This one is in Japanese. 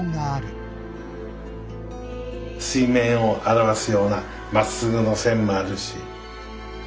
水面を表すようなまっすぐの線もあるし。